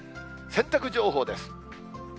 洗濯情報です。